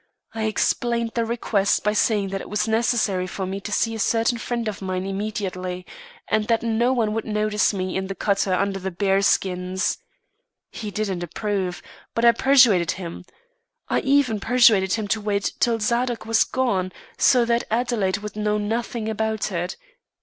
I explained the request by saying that it was necessary for me to see a certain friend of mine immediately, and that no one would notice me in the cutter under the bear skins. He didn't approve, but I persuaded him. I even persuaded him to wait till Zadok was gone, so that Adelaide would know nothing about it.